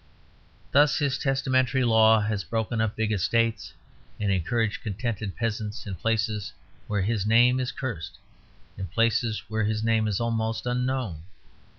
Thus his testamentary law has broken up big estates and encouraged contented peasants in places where his name is cursed, in places where his name is almost unknown.